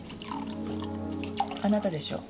あなたでしょう？